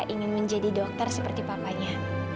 ingin menjadi dokter seperti papanya